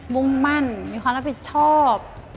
มุ่งมั่นมีความรับผิดชอบ